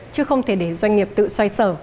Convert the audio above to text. chứ không thể để doanh nghiệp tự xoay xở